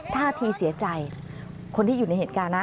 ท่าทีเสียใจคนที่อยู่ในเหตุการณ์นะ